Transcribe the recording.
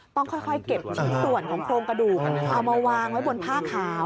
ต้องค่อยเก็บชิ้นส่วนของโครงกระดูกเอามาวางไว้บนผ้าขาว